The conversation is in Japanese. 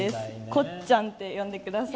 こっちゃんって呼んでください。